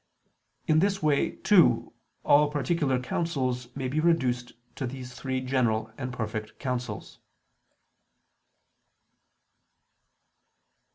In this way, too, all particular counsels may be reduced to these three general and perfect counsels.